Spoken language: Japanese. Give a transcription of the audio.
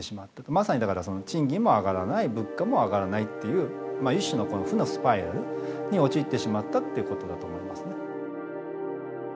まさに賃金も上がらない物価も上がらないっていう一種のこの負のスパイラルに陥ってしまったってことだと思いますね。